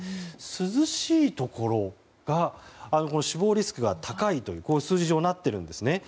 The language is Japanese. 涼しいところが死亡リスクが高いという数字上なっているんですね。